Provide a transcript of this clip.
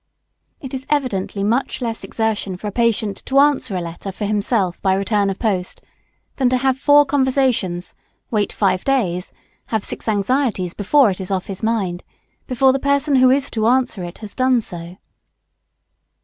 It is evidently much less exertion for a patient to answer a letter for himself by return of post, than to have four conversations, wait five days, have six anxieties before it is off his mind, before the person who has to answer it has done so.